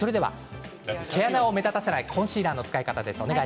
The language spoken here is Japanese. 毛穴を目立たせないコンシーラーの使い方です。